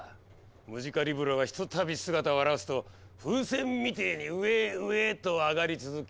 ムジカリブロがひとたび姿を現すと風船みてえに上へ上へとあがり続けるそうな。